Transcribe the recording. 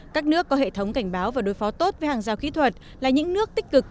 các nước có hệ thống cảnh báo và đối phó tốt với hàng rào kỹ thuật là những nước tích cực